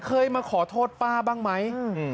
เคยมาขอโทษป้าบ้างไหม